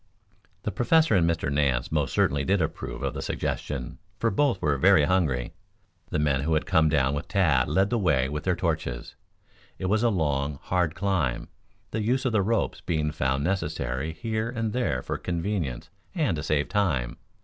The Professor and Mr. Nance most certainly did approve of the suggestion, for both were very hungry. The men who had come down with Tad led the way with their torches. It was a long, hard climb, the use of the ropes being found necessary here and there for convenience and to save time.